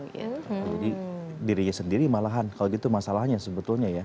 jadi dirinya sendiri malahan kalau gitu masalahnya sebetulnya ya